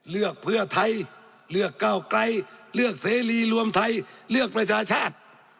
เลือกเพื่อไทยเลือกเก้าไกลเลือกเสรีรวมไทยเลือกประชาชาติ